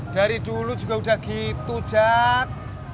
dari dulu juga udah gitu jat